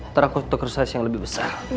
ntar aku tuker size yang lebih besar